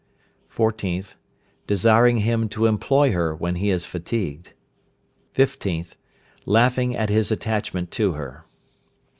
14th. Desiring him to employ her when he is fatigued. 15th. Laughing at his attachment to her.